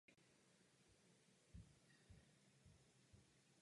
Nachází se v Liptovské větvi hlavního hřebene.